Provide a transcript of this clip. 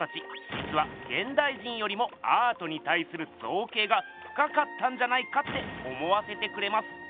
じつはげんだい人よりもアートにたいするぞうけいがふかかったんじゃないかって思わせてくれます。